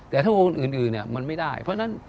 แต่ถ้าเปิดสิ่งอื่นมันไม่ได้เพราะงั้น